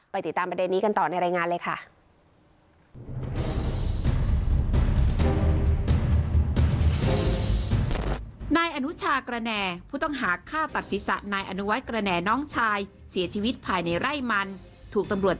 ไปติดตามปัญญาณนี้กันต่อในรายงานเลยค่ะ